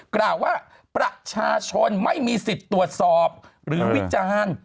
กล่าวว่าประชาชนไม่มีสิทธิ์ตรวจสอบหรือวิจารณ์